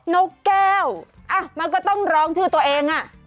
นกแก้วมันก็ต้องร้องชื่อตัวเองอ่ะ